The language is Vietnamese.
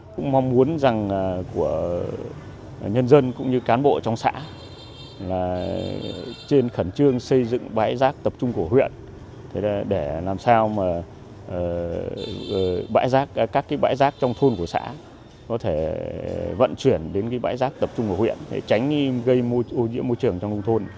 cũng mong muốn rằng của nhân dân cũng như cán bộ trong xã là trên khẩn trương xây dựng bãi rác tập trung của huyện để làm sao mà các bãi rác trong thôn của xã có thể vận chuyển đến bãi rác tập trung của huyện để tránh gây ô nhiễm môi trường trong thôn